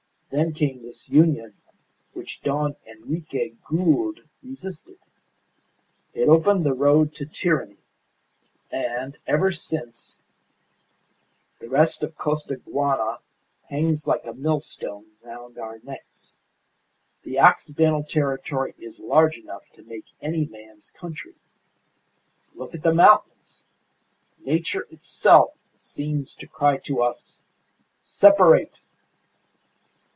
Then came this union which Don Henrique Gould resisted. It opened the road to tyranny; and, ever since, the rest of Costaguana hangs like a millstone round our necks. The Occidental territory is large enough to make any man's country. Look at the mountains! Nature itself seems to cry to us, 'Separate!